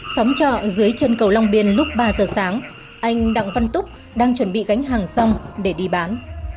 xóm trọ dưới chân cầu long biên lúc ba giờ sáng anh đặng văn túc đang chuẩn bị gánh hàng xong để đi bán